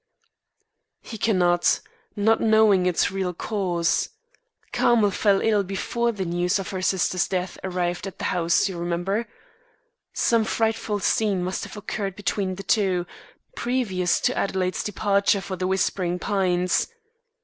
"He cannot, not knowing its real cause. Carmel fell ill before the news of her sister's death arrived at the house, you remember. Some frightful scene must have occurred between the two, previous to Adelaide's departure for The Whispering Pines.